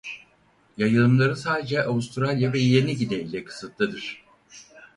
Yayılımları sadece Avustralya ile Yeni Gine ile kısıtlıdır.